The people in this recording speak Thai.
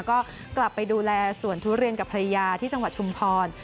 ก็กลับไปดูแลสวนทุเรียนกับภรรยาที่จังหวัดชุมพร